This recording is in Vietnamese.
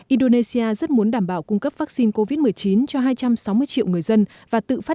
indonesia rất muốn đảm bảo cung cấp vaccine covid một mươi chín cho hai trăm sáu mươi triệu người dân và tự phát